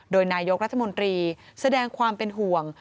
โดยนายกรัฐมนตรีแสดงความเป็นห่วง